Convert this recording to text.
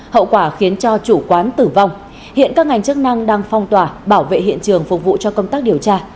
hậu quả khiến cho chủ quán tử vong hiện các ngành chức năng đang phong tỏa bảo vệ hiện trường phục vụ cho công tác điều tra